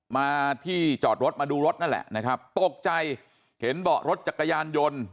มาที่จอดรถมาดูรถนั่นแหละนะครับตกใจเห็นเบาะรถจักรยานยนต์